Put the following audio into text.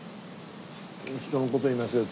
人の事言いますけど。